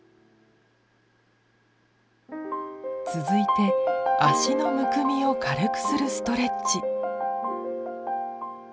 続いて脚のむくみを軽くするストレッチ。